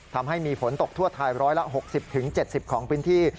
ทำให้มีฝนตกทั่วไทย๑๖๐๗๐ของพื้นที่